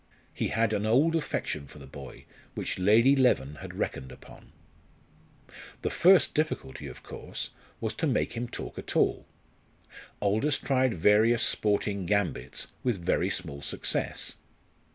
He had an old affection for the boy, which Lady Leven had reckoned upon. The first difficulty, of course, was to make him talk at all. Aldous tried various sporting "gambits" with very small success.